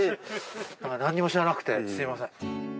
何にも知らなくてすみません。